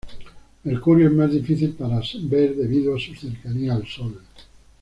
Mercurio es más difícil para ver debido a su cercanía al Sol.